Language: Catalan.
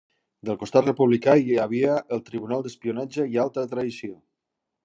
Del costat republicà hi havia el Tribunal d'Espionatge i Alta Traïció.